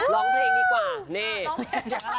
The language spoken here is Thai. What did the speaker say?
ร้องเพลงดีกว่านี่